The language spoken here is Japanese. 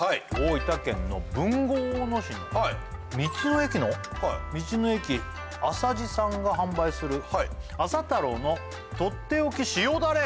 県の豊後大野市の道の駅の道の駅あさじさんが販売する朝太郎のとっておき塩だれ！